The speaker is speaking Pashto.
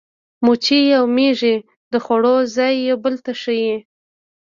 مچۍ او مېږي د خوړو ځای یو بل ته ښيي.